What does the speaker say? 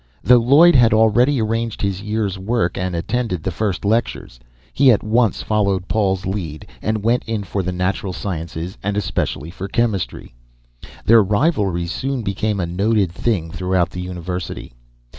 Though Lloyd had already arranged his year's work and attended the first lectures, he at once followed Paul's lead and went in for the natural sciences and especially for chemistry. Their rivalry soon became a noted thing throughout the university.